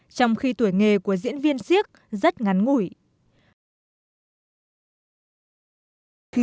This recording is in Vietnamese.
trong khi tuổi nghề của diễn viên siếc rất ngắn ngủi